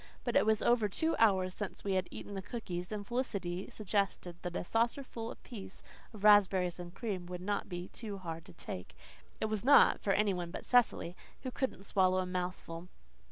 But it was over two hours since we had eaten the cookies, and Felicity suggested that a saucerful apiece of raspberries and cream would not be hard to take. It was not, for any one but Cecily, who couldn't swallow a mouthful.